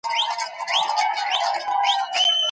د دغي ودانۍ په انګړ کي شاګردان په خپلو موبایلونو کي بوخت دي.